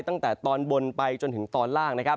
ตั้งแต่ตอนบนไปจนถึงตอนล่าง